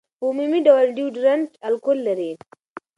په عمومي ډول ډیوډرنټ الکول لري.